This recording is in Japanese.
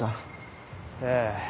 ええ。